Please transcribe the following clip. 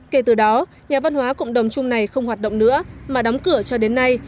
kể từ đó nhà văn hóa cộng đồng chung này không hoạt động nữa mà đóng cửa cho đến nay